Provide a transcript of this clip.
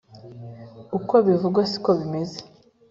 uko bivugwa siko bimeze